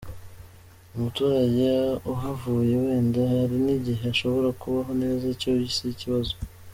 Umuturage uhavuye wenda hari n’igihe ashobora kubaho neza, icyo si ikibazo.